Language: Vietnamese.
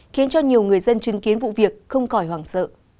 khiến cho nhiều người dân chứng kiến vụ việc không khỏi hoảng sợ